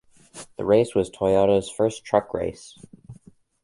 The race was Toyota's first truck race.